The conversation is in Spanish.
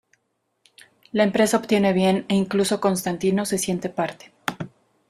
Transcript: La empresa obtiene bien e incluso Constantino se siente parte.